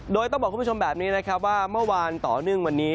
โดยต้องบอกคุณผู้ชมแบบนี้นะครับว่าเมื่อวานต่อเนื่องวันนี้